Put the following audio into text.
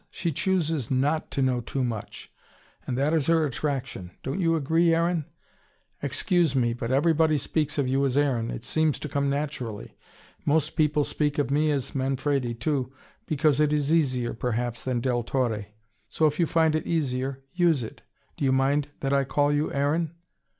She chooses NOT to know too much. And that is her attraction. Don't you agree, Aaron? Excuse me, but everybody speaks of you as Aaron. It seems to come naturally. Most people speak of me as Manfredi, too, because it is easier, perhaps, than Del Torre. So if you find it easier, use it. Do you mind that I call you Aaron?"